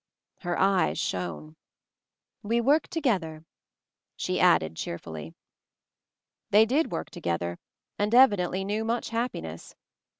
Her eyes shone. "We work together," she added cheer fully. They did work together, and evidently knew much happiness.